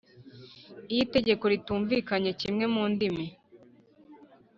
Iyo itegeko ritumvikanye kimwe mu ndimi